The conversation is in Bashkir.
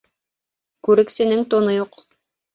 Күрексенең туны юҡ.